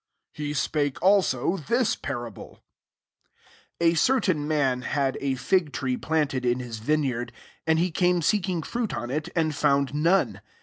6 He spake also this parable :'* A certain man had a fig tree planted in his vineyard; and he came seeking fruit on it, and found none.